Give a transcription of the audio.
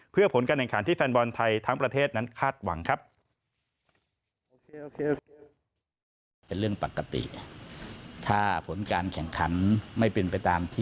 เพื่อผลการแข่งขันที่แฟนบอลไทยทั้งประเทศนั้นคาดหวังครับ